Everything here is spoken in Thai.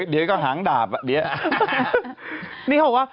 เอาอีกแล้ว